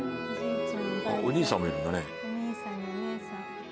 あっお兄さんもいるんだね。